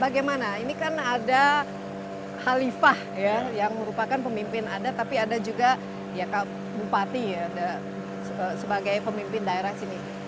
bagaimana ini kan ada halifah ya yang merupakan pemimpin adat tapi ada juga ya bupati ya sebagai pemimpin daerah sini